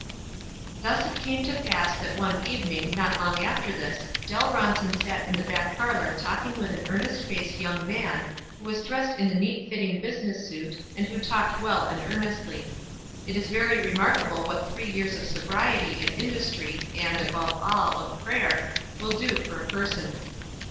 Thus it came to pass that one evening, not long after this, Dell Bronson sat in the back parlor talking with an earnest faced voung man, who was dressed in a neat fitting business suit, and who talked well and earnestly. It is very remarkable what three years of sobriety and in dustry, and, above all, of prayer, will do for a person.